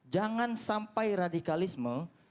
jangan sampai radikalisme